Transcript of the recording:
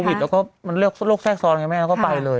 ผิดแล้วก็มันเลือกโรคแทรกซ้อนไงแม่แล้วก็ไปเลย